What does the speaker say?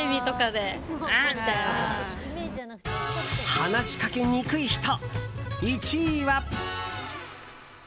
話しかけにくい人、１位は。